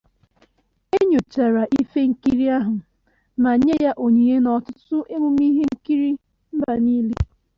E nyochara ihe nkiri ahụ ma nye ya onyinye n'ọtụtụ emume ihe nkiri mba niile.